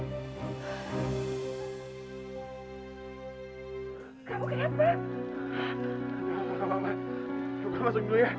jangan bapak bapak masuk dulu ya